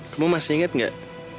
kamu masih inget gak